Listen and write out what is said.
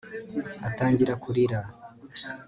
atangira kurira